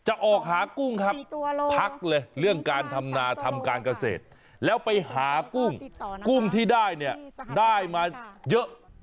ออกหากุ้งครับพักเลยเรื่องการทำนาทำการเกษตรแล้วไปหากุ้งกุ้งที่ได้เนี่ยได้มาเยอะ